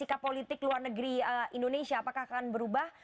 sikap politik luar negeri indonesia apakah akan berubah